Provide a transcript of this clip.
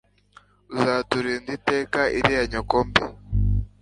uzaturinda iteka iriya nyoko mbi